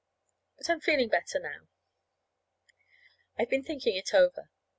But I'm feeling better now. I've been thinking it over.